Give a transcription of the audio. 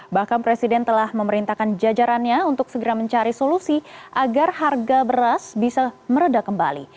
bahkan presiden telah memerintahkan jajarannya untuk segera mencari solusi agar harga beras bisa meredah kembali